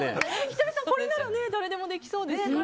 仁美さん、これなら誰でもできそうですよね。